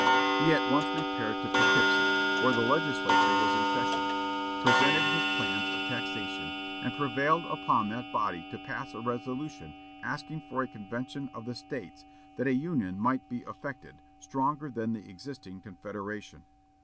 He at once repaired to Poughkeepsie, where the Legislature was in session; presented his plans of taxation, and prevailed upon that body to pass a resolution asking for a convention of the States that a Union might be effected, stronger than the existing Confederation.